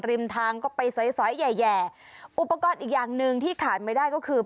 ริมทางก็ไปสอยสอยแย่อุปกรณ์อีกอย่างหนึ่งที่ขาดไม่ได้ก็คือ